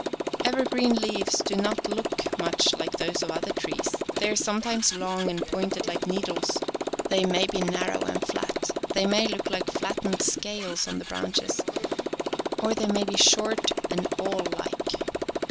Evergreen leaves do not look much like those of other trees; they are sometimes long and pointed like needles ; they may be narrow and flat ; they may look like flattened scales on the branches, or they may be short and awl like.